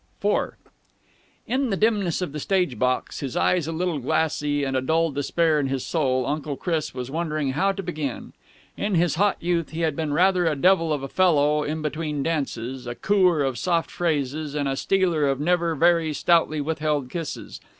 IV In the dimness of the stage box, his eyes a little glassy and a dull despair in his soul, Uncle Chris was wondering how to begin. In his hot youth he had been rather a devil of a fellow in between dances, a coo er of soft phrases and a stealer of never very stoutly withheld kisses.